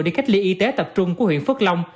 đi cách ly y tế tập trung của huyện phước long